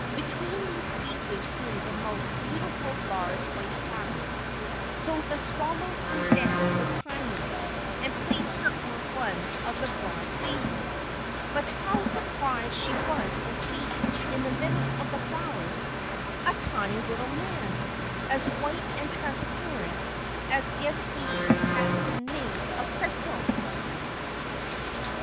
Between these pieces grew the most beautiful large white flowers; so the swallow flew down with Tiny, and placed her on one of the broad leaves. But how surprised she was to see, in the middle of the flowers, a tiny little man, as white and transparent as if he had been made of crystal!